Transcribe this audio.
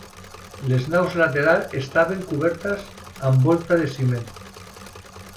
Les naus laterals estaven cobertes amb volta de ciment.